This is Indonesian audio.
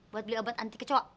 buat beli obat anti kecok